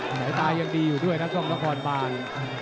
สายตายังดีอยู่ด้วยนะกล้องนครบาน